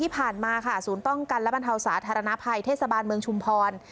ป้องกันและบรรเทาสาธารณภัยเทศบาลเมืองชุมพร